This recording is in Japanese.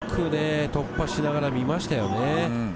よく突破しながら見ましたね。